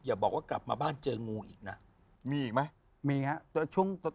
อย่าบอกกลับมาบ้านเจองูอีกนะ